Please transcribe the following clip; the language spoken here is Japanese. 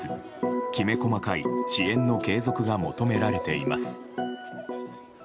きめ細かい支援の継続が求められています。